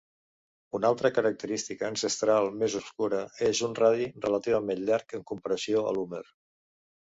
Una altra característica ancestral més obscura és un radi relativament llarg en comparació a l'húmer.